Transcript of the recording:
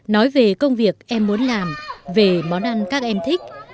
nói về công việc em muốn làm về món ăn các em thích